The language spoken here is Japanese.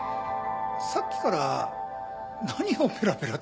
さっきから何をペラペラと。